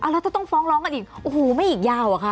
แล้วถ้าต้องฟ้องร้องกันอีกไม่อีกยาวอ่ะค่ะ